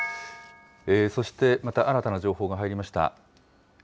そして、また新たな情報が入りました。